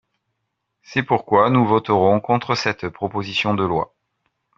C’est pourquoi nous voterons contre cette proposition de loi.